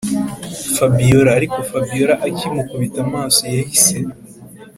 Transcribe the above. fabiora ariko fabiora akimukubita amaso yahise